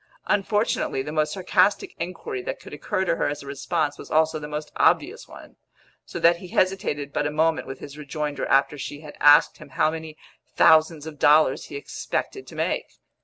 Unfortunately, the most sarcastic inquiry that could occur to her as a response was also the most obvious one, so that he hesitated but a moment with his rejoinder after she had asked him how many thousands of dollars he expected to make.